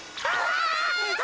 あ！